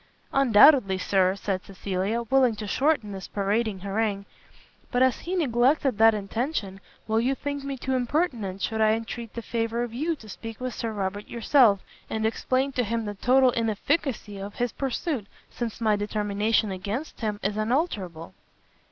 "Undoubtedly, Sir," said Cecilia, willing to shorten this parading harangue, "but as he neglected that intention, will you think me too impertinent should I entreat the favour of you to speak with Sir Robert yourself, and explain to him the total inefficacy of his pursuit, since my determination against him is unalterable?"